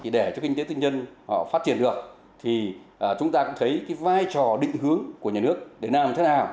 để cho kinh tế tư nhân họ phát triển được thì chúng ta cũng thấy vai trò định hướng của nhà nước để làm thế nào